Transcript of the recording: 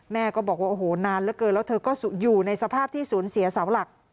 แม่ก็บอกว่านานเกินแล้วเธอก็อยู่ในสภาพที่ศูนย์เสียเสาหลัก